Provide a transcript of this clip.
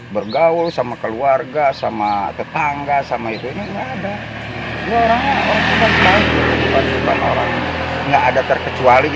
bergaul sama keluarga sama tetangga sama itu enggak ada orang orang enggak ada terkecuali